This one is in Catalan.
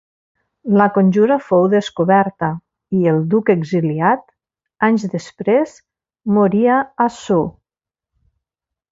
La conjura fou descoberta i el duc exiliat, anys després moria a Sceaux.